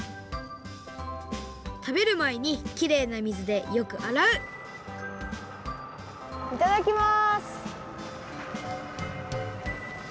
たべるまえにきれいな水でよくあらういただきます！